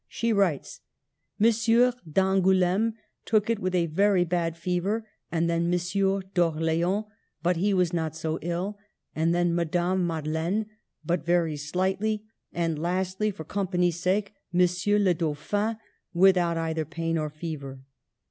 She writes :—" Monsieur d'Angouleme took it with a very bad fever ; and then M. d'Orleans, but he was not so ill ; and then Madame Madelaine, but very slightly; and lastly, for company's sake, M. le Dauphin, without either pain or fever.